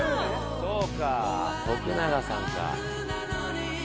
そうか永さんか。